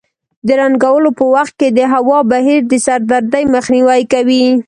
د رنګولو په وخت کې د هوا بهیر د سردردۍ مخنیوی کوي.